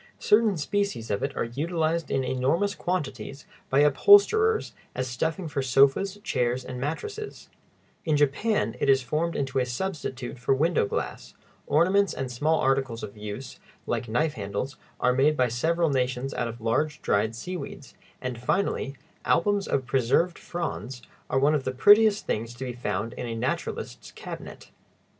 Certain species of it are utilized in enormous quantities by upholsterers as stuffing for sofas, chairs, and mattresses; in Japan it is formed into a substitute for window glass; ornaments and small articles of use, like knife handles, are made by several nations out of large dried seaweeds; and, finally, albums of preserved fronds are one of the prettiest things to be found in a naturalist's cabinet.